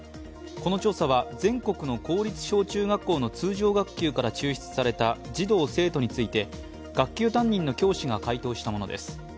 この調査は全国の公立小中学校の通常学級から抽出された児童生徒について、学級担任の教師が回答したものです。